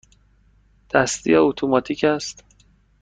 دستی یا اتوماتیک است؟